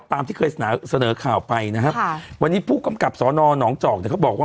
ตามที่เคยเสนอข่าวไปนะครับวันนี้ผู้กำกับสนนจอกเขาบอกว่า